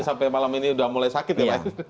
sampai malam ini udah mulai sakit ya pak